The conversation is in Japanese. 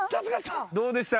どうでした？